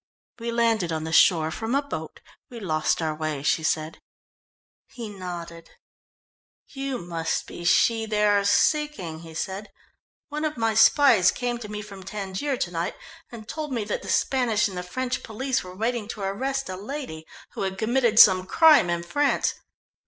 "We landed on the shore from a boat. We lost our way," she said. He nodded. "You must be she they are seeking," he said. "One of my spies came to me from Tangier to night, and told me that the Spanish and the French police were waiting to arrest a lady who had committed some crime in France.